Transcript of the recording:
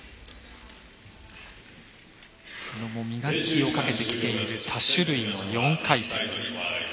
磨きをかけてきている多種類の４回転。